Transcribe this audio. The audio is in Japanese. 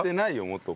もっと。